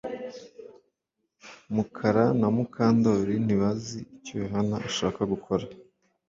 Mukara na Mukandoli ntibazi icyo Yohana ashaka gukora